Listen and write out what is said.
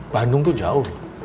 bandung tuh jauh